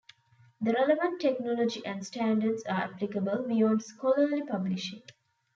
The relevant technology and standards are applicable beyond scholarly publishing.